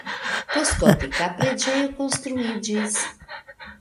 Poste gotika preĝejo konstruiĝis.